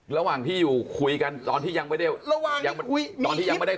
ระหว่างที่อยู่คุยกันตอนที่ยังไม่ได้